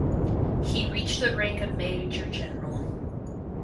He reached the rank of Major General.